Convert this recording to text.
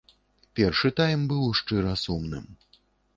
Першы тайм быў шчыра сумным.